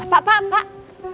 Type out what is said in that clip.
pak pak pak